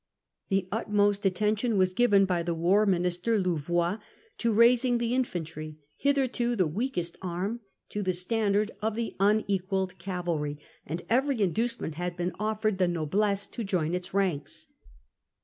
The utmost attention had been given by the war minister, Louvois, to Louvois and raising the infantry, hitherto the weakest arm, the army. t0 t k e s t an d ar d of the unequalled cavalry, and every inducement had been offered the noblesse to join its ranks.